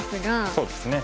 そうですね。